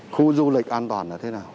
khu du lịch an toàn là thế nào